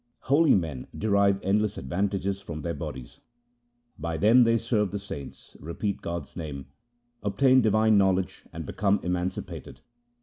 Holy men derive endless advantages from their bodies. By them they serve the saints, repeat God's name, obtain divine knowledge and become emancipated.